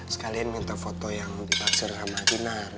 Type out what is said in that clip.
sekalian minta foto yang dipaksir sama kinar